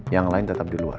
yang lain tetap di luar